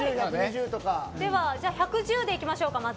では、まず１１０でいきましょうか。